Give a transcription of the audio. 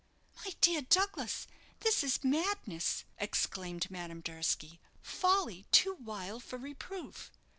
"My dear Douglas, this is madness!" exclaimed Madame Durski; "folly too wild for reproof.